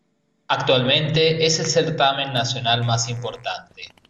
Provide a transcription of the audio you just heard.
Actualmente es el certamen nacional más importante.